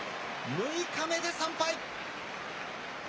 ６日目で３敗。